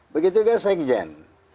begitu kan saya kejen